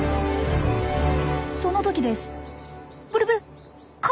その時です。